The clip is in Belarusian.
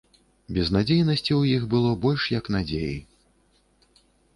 Безнадзейнасці ў іх было больш, як надзеі.